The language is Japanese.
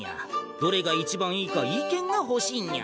どれが一番いいか意見がほしいにゃ。